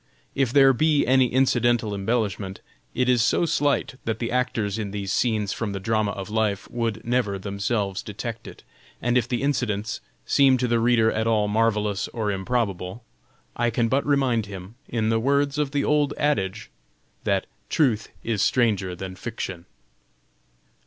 If there be any incidental embellishment, it is so slight that the actors in these scenes from the drama of life would never themselves detect it; and if the incidents seem to the reader at all marvelous or improbable, I can but remind him, in the words of the old adage, that "Truth is stranger than fiction."